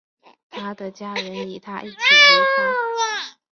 他的家人与他一起离开。